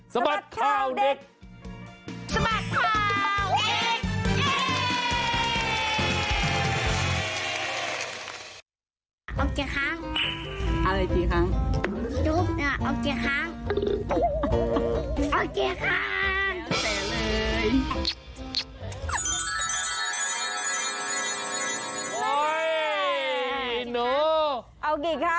สมัดข้าวเด็ก